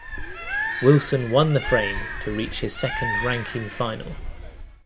Wilson won the frame to reach his second ranking final.